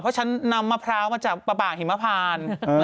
เพราะฉันนำมะพร้าวมาจากปากหิมพาน